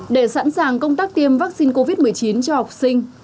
để sẵn sàng công tác tiêm vaccine covid một mươi chín cho học sinh